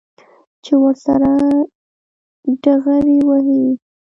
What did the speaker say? چې ورسره ډغرې ووهي.